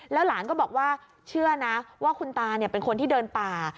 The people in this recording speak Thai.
หลานก็บอกว่าเชื่อนะว่าคุณตาเป็นคนที่เดินป่า